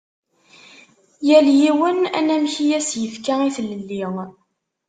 Yal yiwen anamek i as-yefka i tlelli.